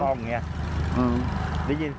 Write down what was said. โอ้ยินเสียง